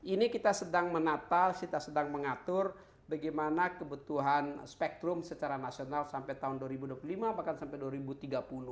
ini kita sedang menata kita sedang mengatur bagaimana kebutuhan spektrum secara nasional sampai tahun dua ribu dua puluh lima bahkan sampai dua ribu tiga puluh